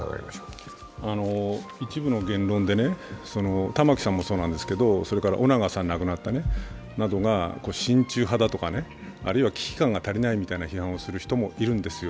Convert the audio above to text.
一部の言論で玉城さんもそうなんですけれどもそれから亡くなった翁長さんなどが親中派だとか、あるいは危機感が足りないみたいな批判をする人もいるんですよ。